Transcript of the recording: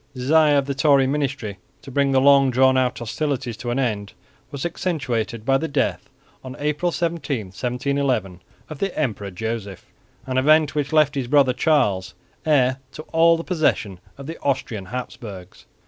The desire of the Tory ministry to bring the long drawn out hostilities to an end was accentuated by the death, on April 17, 1711, of the Emperor Joseph, an event which left his brother Charles heir to all the possessions of the Austrian Habsburgs.